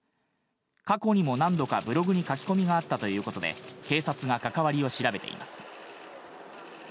過去にも何度かブログに書き込みがあったということで、警察が関わりを調べています。